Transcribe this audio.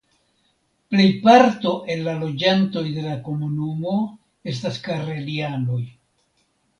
Plejparto el la loĝantoj de la komunumo estas karelianoj.